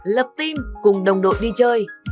lập team cùng đồng đội đi chơi